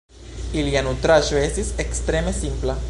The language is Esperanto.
Ilia nutraĵo estis ekstreme simpla.